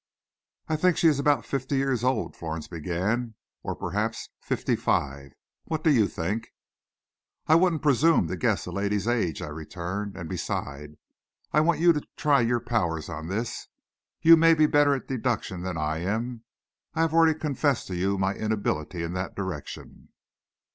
"I think she is about fifty years old," Florence began, "or perhaps fifty five. What do you think?" "I wouldn't presume to guess a lady's age," I returned, "and beside, I want you to try your powers on this. You may be better at deductions than I am. I have already confessed to you my inability in that direction."